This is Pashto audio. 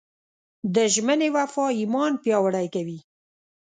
د ژمنې وفا ایمان پیاوړی کوي.